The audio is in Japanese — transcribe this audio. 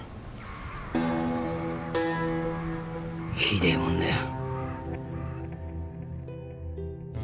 ひでえもんだよ。